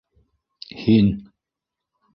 Һин.